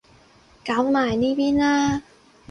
搞埋呢邊啦